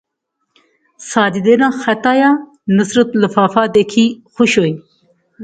ساجدے ناں خط آیا، نصرت لفافہ دیکھی خوش ہوئی